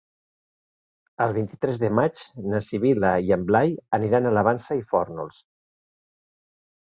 El vint-i-tres de maig na Sibil·la i en Blai aniran a la Vansa i Fórnols.